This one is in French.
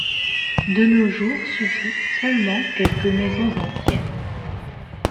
De nos jours subsistent seulement quelques maisons anciennes.